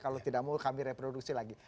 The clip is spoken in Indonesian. kalau tidak mau kami reproduksi lagi